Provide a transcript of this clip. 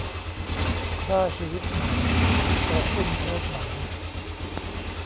คร่าชีวิตไหม กระตุ้นเพศไหม